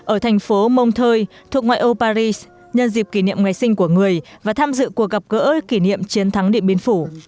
ở thành phố monteuil thuộc ngoại ô paris nhân dịp kỷ niệm ngày sinh của người và tham dự cuộc gặp gỡ kỷ niệm chiến thắng địa biến phủ